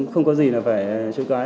không có gì là phải chơi cái